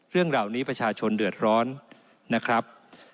เรื่องเหล่านี้ประชาชนเดือดร้อนนะครับ